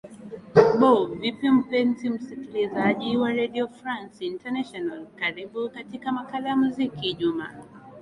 bo vipi mpenzi msikilizaji wa redio france international karibu katika makala ya mziki ijumaa